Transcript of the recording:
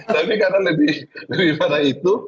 tapi karena lebih pada itu